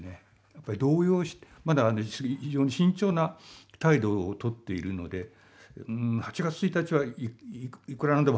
やっぱり動揺してまだ非常に慎重な態度をとっているので８月１日はいくらなんでも早すぎる。